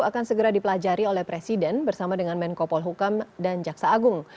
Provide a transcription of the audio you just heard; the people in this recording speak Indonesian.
akan segera dipelajari oleh presiden bersama dengan menko polhukam dan jaksa agung